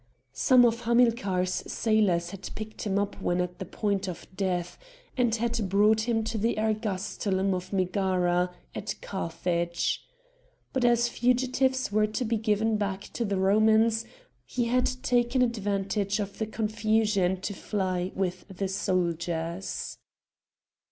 Some of Hamilcar's sailors had picked him up when at the point of death, and had brought him to the ergastulum of Megara, at Carthage. But, as fugitives were to be given back to the Romans, he had taken advantage of the confusion to fly with the soldiers.